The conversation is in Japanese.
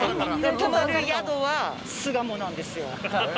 泊まる宿は、巣鴨なんですよ。